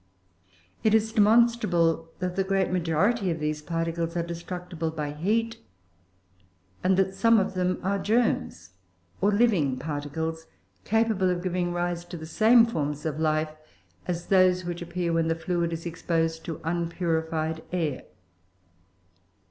It is demonstrable that the great majority of these particles are destructible by heat, and that some of them are germs, or living particles, capable of giving rise to the same forms of life as those which appear when the fluid is exposed to unpurified air.